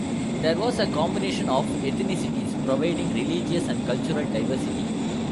There was a combination of ethnicities, providing religious and cultural diversity.